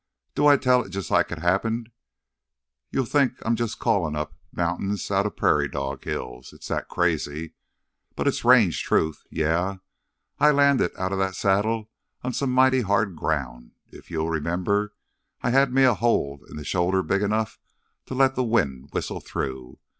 "Do I tell it jus' like it happened, you'll think I'm callin' up mountains outta prairie dog hills, it's that crazy. But it's range truth. Yeah, I landed outta that saddle on some mighty hard ground. If you'll remember, I had me a hole in the shoulder big enough to let th' wind whistle through.